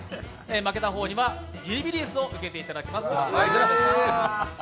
負けた方にはビリビリ椅子を受けていただきます。